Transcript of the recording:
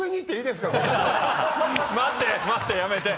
待って！